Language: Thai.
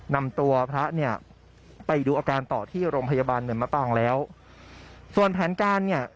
นำตัวพระเนี่ยไปดูอาการต่อที่โรงพยาบาลเนินมะปางแล้วส่วนแผนการเนี่ย